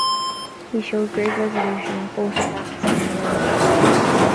He showed great resolution at both attacks on the Redan.